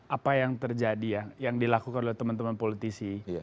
apa yang terjadi ya yang dilakukan oleh teman teman politisi